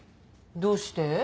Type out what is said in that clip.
どうして？